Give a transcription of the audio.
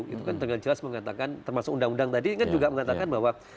itu kan dengan jelas mengatakan termasuk undang undang tadi kan juga mengatakan bahwa